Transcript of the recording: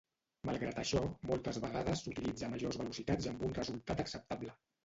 Malgrat això, moltes vegades s'utilitza a majors velocitats amb un resultat acceptable.